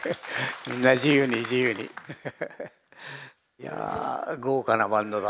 いや豪華なバンドだ。